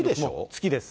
月です。